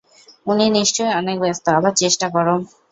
উনি নিশ্চয়ই অনেক ব্যস্ত, আবার চেষ্টা কর।